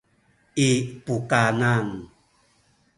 i pukanan